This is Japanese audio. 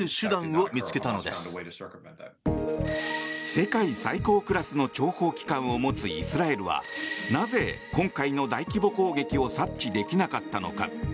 世界最高クラスの諜報機関を持つイスラエルはなぜ、今回の大規模攻撃を察知できなかったのか。